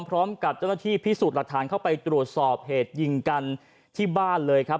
พร้อมกับเจ้าหน้าที่พิสูจน์หลักฐานเข้าไปตรวจสอบเหตุยิงกันที่บ้านเลยครับ